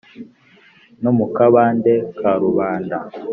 no mu kabande ka rubanda